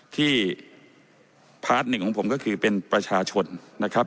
ที่ของผมก็คือเป็นประชาชนนะครับ